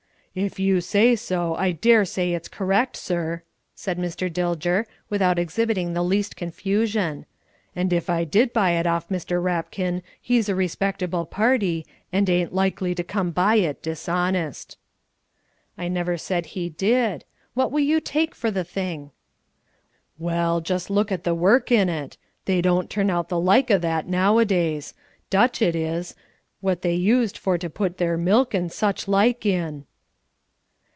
"If you say so I dare say it's correct, sir," said Mr. Dilger, without exhibiting the least confusion. "And if I did buy it off Mr. Rapkin, he's a respectable party, and ain't likely to have come by it dishonest." "I never said he did. What will you take for the thing?" "Well, just look at the work in it. They don't turn out the like o' that nowadays. Dutch, that is; what they used for to put their milk and such like in."